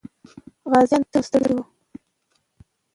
غازيان تږي او ستړي وو.